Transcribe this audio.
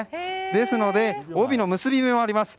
ですので帯の結び目があります。